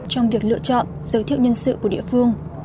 trong việc lựa chọn giới thiệu nhân sự của địa phương